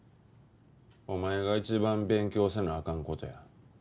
お前が一番勉強せなあかん事や。